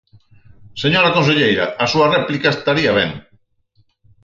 Señora conselleira, a súa réplica estaría ben.